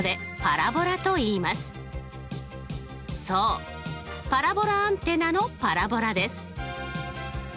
そうパラボラアンテナのパラボラです。